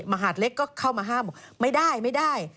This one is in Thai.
มหาดเล็กก็เข้ามาห้ามบอกไม่ได้